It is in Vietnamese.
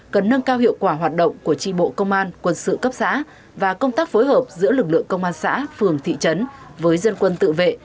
cần nâng cao hiệu quả hoạt động của tri bộ công an quân sự cấp xã và công tác phối hợp giữa lực lượng công an xã phường thị trấn với dân quân tự vệ